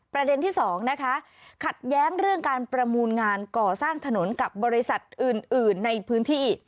ประเด็นที่สองนะคะขัดแย้งเรื่องการประมูลงานก่อสร้างถนนกับบริษัทอื่นในพื้นที่